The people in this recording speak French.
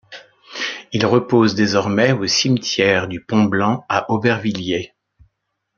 Il repose désormais au cimetière du Pont-Blanc à Aubervilliers.